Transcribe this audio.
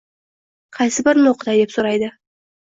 Qaysi birini o‘qitay?”, deb so‘raydi